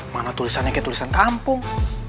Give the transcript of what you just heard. mana tulisannya ke tulisan kampung